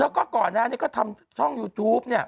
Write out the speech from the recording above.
แล้วก็ก่อนก็ทำช่องยูทูป